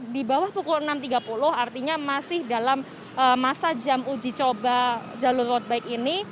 di bawah pukul enam tiga puluh artinya masih dalam masa jam uji coba jalur road bike ini